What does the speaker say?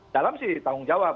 dalam sih tanggung jawab